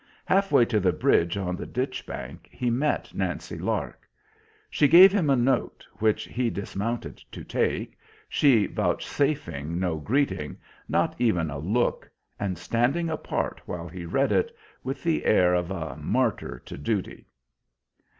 Halfway to the bridge on the ditch bank he met Nancy Lark. She gave him a note, which he dismounted to take, she vouchsafing no greeting, not even a look, and standing apart while he read it, with the air of a martyr to duty.